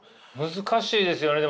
難しいですよね。